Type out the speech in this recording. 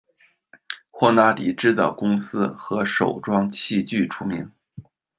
霍纳迪制造公司和手装器具出名。